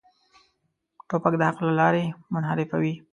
توپک د حق له لارې منحرفوي.